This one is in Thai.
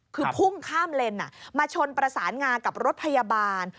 คือพุ่งข้ามเลนมาชนประสานงากับรถพยาบาล